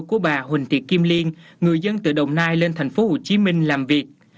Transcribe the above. của bà huỳnh tiệc kim liên người dân từ đồng nai lên tp hcm làm việc